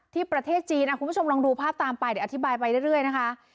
ประเทศจีนคุณผู้ชมลองดูภาพตามไปเดี๋ยวอธิบายไปเรื่อยนะคะ